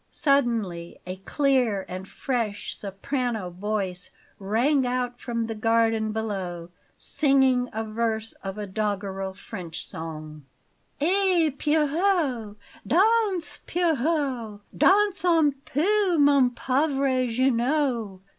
Suddenly a clear and fresh soprano voice rang out from the garden below, singing a verse of a doggerel French song: "Eh, Pierrot! Danse, Pierrot! Danse un peu, mon pauvre Jeannot!